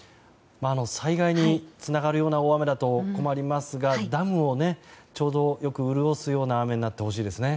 災害につながるような大雨だと困りますがダムをちょうどよく潤すような雨になってほしいですね。